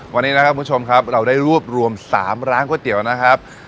วันนี้นะครับคุณผู้ชมครับเราได้รวบรวม๓ร้านก๋วยเตี๋ยวนะครับ